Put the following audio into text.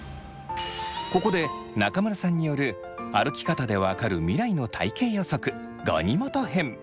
ここで中村さんによる歩き方でわかる未来の体型予測ガニ股編。